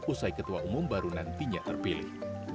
usai ketua umum baru nantinya terpilih